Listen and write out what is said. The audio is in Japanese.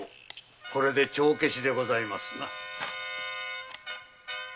これで帳消しでございますな。